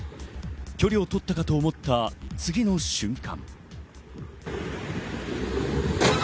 距離をとったかと思った次の瞬間。